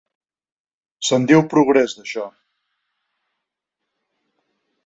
Se'n diu progrés, d'això.